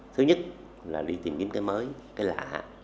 thứ nhất là đi tìm kiếm cái mới cái lạ